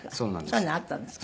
そういうのあったんですか。